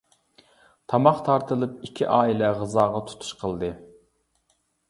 تاماق تارتىلىپ، ئىككى ئائىلە غىزاغا تۇتۇش قىلدى.